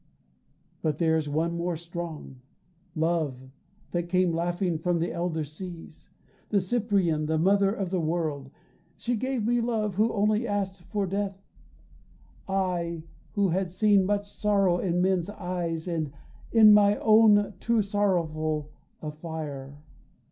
But there is one more strong, Love, that came laughing from the elder seas, The Cyprian, the mother of the world; She gave me love who only asked for death I who had seen much sorrow in men's eyes And in my own too sorrowful a fire.